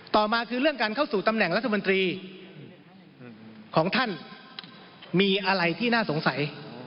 ต่อมาคือเรื่องการเข้าสู่ตำแหน่งรัฐมนตรีของท่านมีอะไรที่น่าสงสัย